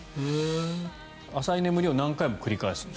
浅い眠りを何回も繰り返すと。